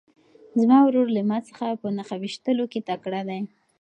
زما ورور له ما څخه په نښه ویشتلو کې تکړه دی.